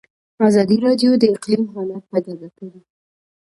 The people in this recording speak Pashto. ازادي راډیو د اقلیم حالت په ډاګه کړی.